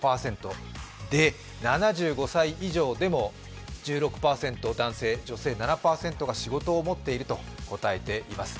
で、７５歳以上でも１６％男性、女性７％が仕事を持っていると答えています。